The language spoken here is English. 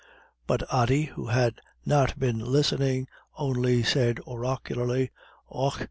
But Ody, who had not been listening, only said, oracularly: "Och!